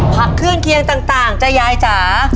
ผักเครื่องเคียงต่างจ้ะยายจ๋า